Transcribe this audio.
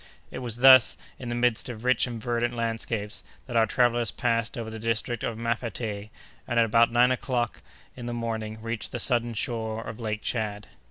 It was thus, in the midst of rich and verdant landscapes that our travellers passed over the district of Maffatay, and about nine o'clock in the morning reached the southern shore of Lake Tchad.